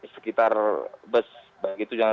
sekitar bus baik itu jangan